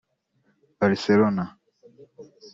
Barcelona